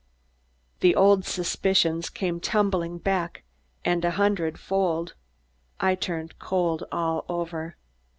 The old suspicions came tumbling back an hundredfold and I turned cold all over.